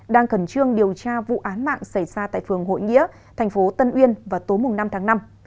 đang khẩn trương điều tra vụ án mạng xảy ra tại phường hội nghĩa thành phố tân uyên vào tối năm tháng năm